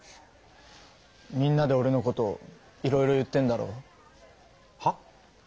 みんなでオレのこといろいろ言ってんだろう。はっ？